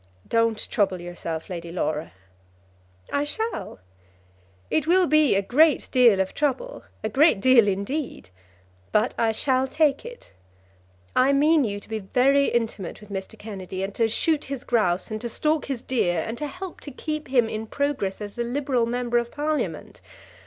"Don't trouble yourself, Lady Laura." "I shall. It will be a great deal of trouble, a great deal, indeed; but I shall take it. I mean you to be very intimate with Mr. Kennedy, and to shoot his grouse, and to stalk his deer, and to help to keep him in progress as a liberal member of Parliament.